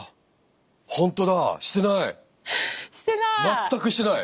全くしてない。